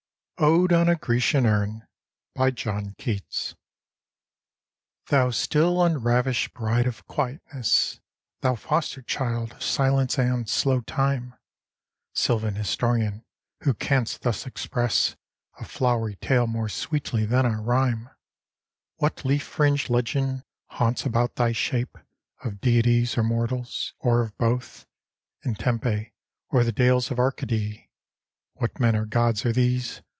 ODE ON A GRECIAN URN BY JOHN KEATS Thou still unravished bride of quietness, Thou foster child of silence and slow time, Sylvan historian, who canst thus express A flowery tale more sweetly than our rhyme: What leaf fring'd legend haunts about thy shape Of deities or mortals, or of both. In Tempe or the dales of Arcady? What men or gods are these?